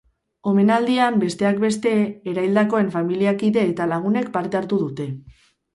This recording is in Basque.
Omenaldian, besteak beste, eraildakoen familiakide eta lagunek parte hartu dute.